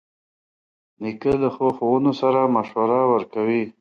نیکه له ښو ښوونو سره مشوره ورکوي.